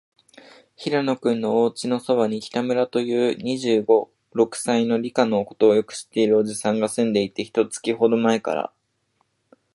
平野君のおうちのそばに、北村という、二十五、六歳の、理科のことをよく知っているおじさんがすんでいて、一月ほどまえから、